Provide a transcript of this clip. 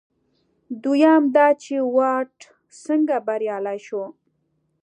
دویم دا چې واټ څنګه بریالی شو.